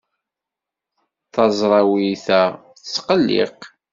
Taẓrawit-a tettqelliq.